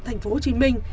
thành phố hồ chí minh